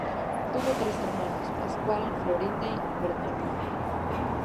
Tuvo tres hermanos: Pascual, Florinda y Bernardino.